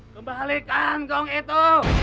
kembalikan gong itu